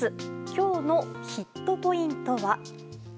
今日のヒットポイントは？